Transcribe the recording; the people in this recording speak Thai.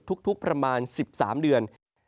ทุกประมาณ๑๓เดือน